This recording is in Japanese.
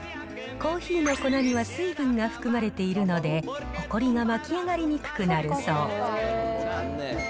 コーヒーの粉には水分が含まれているので、ほこりが巻き上がりにくくなるそう。